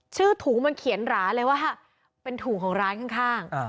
ถุงมันเขียนหราเลยว่าเป็นถุงของร้านข้าง